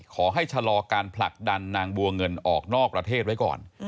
ชะลอการผลักดันนางบัวเงินออกนอกประเทศไว้ก่อน